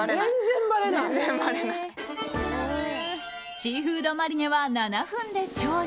シーフードマリネは７分で調理。